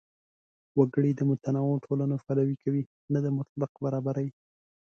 وګړي د متنوع ټولنو پلوي کوي، نه د مطلق برابرۍ.